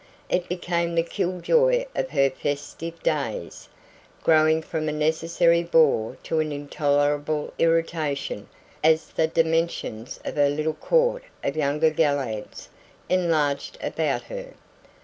It became the kill joy of her festive days, growing from a necessary bore to an intolerable irritation as the dimensions of her little court of younger gallants enlarged about her.